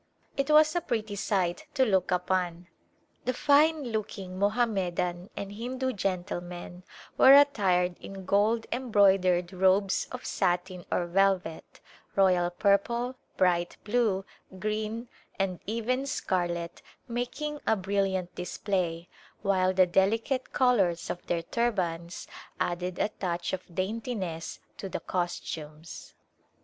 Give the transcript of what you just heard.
It was a pretty sight to look upon. The fine look ing Mohammedan and Hindu gentlemen were attired in gold embroidered robes of satin or velvet, royal purple, bright blue, green and even scarlet making a brilliant display, while the delicate colors of their tur bans added a touch of daintiness to the costumes.